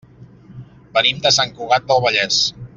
Venim de Sant Cugat del Vallès.